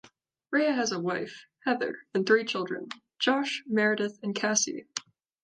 Rea has a wife, Heather, and three children: Josh, Meredith, and Cassie.